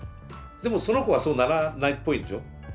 でもその子はそうならないっぽいでしょ？